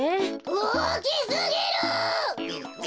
おおきすぎる！